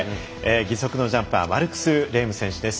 義足のジャンパーマルクス・レーム選手です。